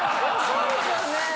そうですよね。